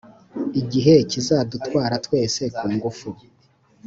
igihe kizadutwara twese ku ngufu.